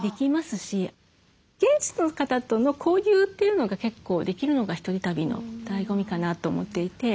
現地の方との交流というのが結構できるのが１人旅のだいご味かなと思っていて。